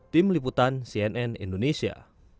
tim liputan cnn indonesia